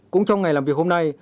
cũng trong ngày làm việc hôm nay